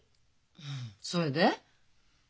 うんそれで？